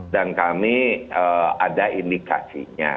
dan kami ada indikasinya